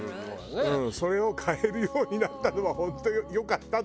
それを買えるようになったのは本当よかったって思う。